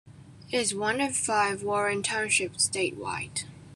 It is one of five Warren Townships statewide.